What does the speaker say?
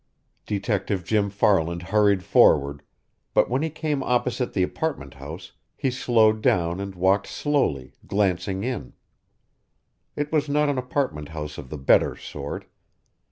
Detective Jim Farland hurried forward, but when he came opposite the apartment house he slowed down and walked slowly, glancing in. It was not an apartment house of the better sort.